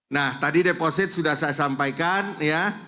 nah tadi deposit sudah saya sampaikan ya